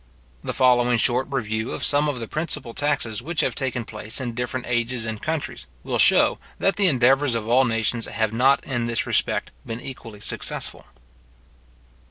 The following short review of some of the principal taxes which have taken place in different ages and countries, will show, that the endeavours of all nations have not in this respect been equally successful.